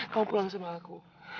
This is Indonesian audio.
kamu pulang sama aku